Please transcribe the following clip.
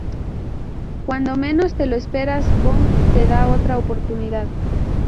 cuando menos te lo esperas, boom, te da otra oportunidad.